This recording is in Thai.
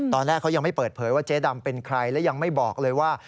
ตอนแรกเขายังไม่เปิดเผยว่าเจ๊ดำเป็นใครและยังไม่บอกเลยว่า